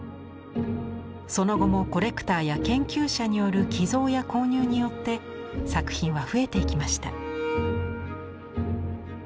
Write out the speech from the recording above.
その後もコレクターや研究者による寄贈や購入によって作品は増えていきました。